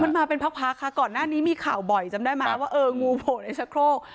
มันมาเป็นพักค่ะก่อนหน้านี้มีข่าวบ่อยจำได้ไหมว่าเอองูโผล่ในชะโครก